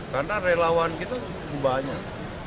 karena relawan itu cukup banyak